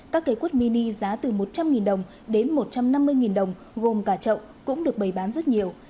các cây quất mini giá từ một trăm linh đồng đến một trăm năm mươi đồng gồm cả chậu cũng được bày bán rất nhiều